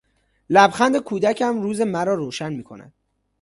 لبخند کودکم روز مرا روشن میکند.